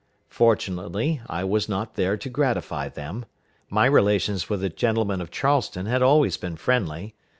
Fortunately, I was not there to gratify them. My relations with the gentlemen of Charleston had always been friendly.